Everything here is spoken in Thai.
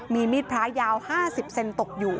มีมีดพระยาว๕๐เซนตกอยู่